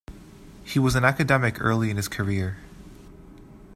He was an academic early in his career.